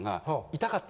「痛かった？」。